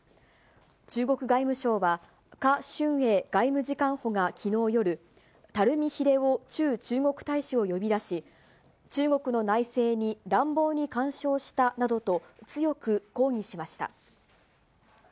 中国外務省は、華春瑩外務次官補がきのう夜、垂秀夫駐中国大使を呼び出し、中国の内政に乱暴に干渉したなどと強く抗議しました。